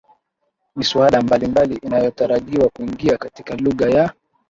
miswada mbalimbali inayotarajiwa kuingia katika lugha ya